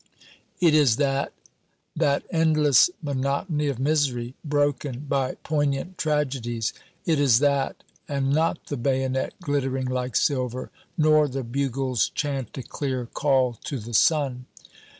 It is that, that endless monotony of misery, broken, by poignant tragedies; it is that, and not the bayonet glittering like silver, nor the bugle's chanticleer call to the sun!"